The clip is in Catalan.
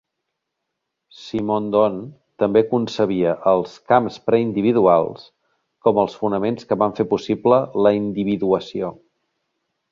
Simondon també concebia els "camps preindividuals" com els fonaments que van fer possible la individuació.